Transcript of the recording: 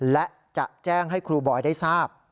และจะแจ้งให้ครูบอยได้ทราบ